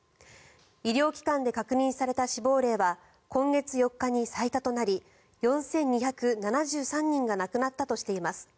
医療機関で確認された死亡例は今月４日に最多となり４２７３人が亡くなったとしています。